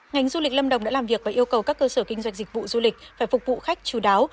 ngành du lịch lâm đồng đã làm việc và yêu cầu các cơ sở kinh doanh dịch vụ du lịch phải phục vụ khách chú đáo